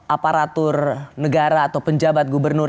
aparatur negara atau penjabat gubernur